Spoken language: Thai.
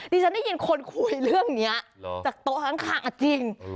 ฉันได้ยินคนคุยเรื่องนี้จากโต๊ะข้างจริง